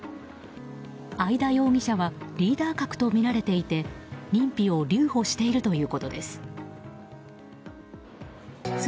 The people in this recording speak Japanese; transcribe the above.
会田容疑者はリーダー格とみられていて認否を留保しているということです。